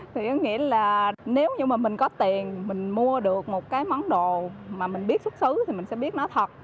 thì có nghĩa là nếu như mà mình có tiền mình mua được một cái món đồ mà mình biết xuất xứ thì mình sẽ biết nó thật